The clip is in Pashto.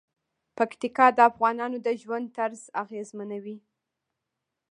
پکتیکا د افغانانو د ژوند طرز اغېزمنوي.